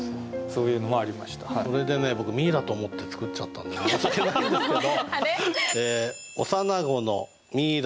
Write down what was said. それでね僕ミイラと思って作っちゃったんで申し訳ないんですけど。